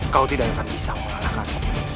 kau tidak akan bisa mengalahkan